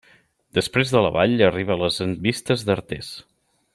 Després de la Vall arriba a les envistes d'Artés.